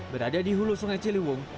berada di hulu sungai ciliwung